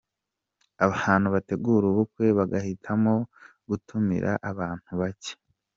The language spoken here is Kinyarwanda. abantu bategura ubukwe bagahitamo gutumira abantu bake.